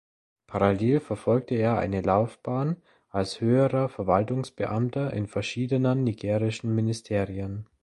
Parallel verfolgte er eine Laufbahn als höherer Verwaltungsbeamter in verschiedenen nigrischen Ministerien.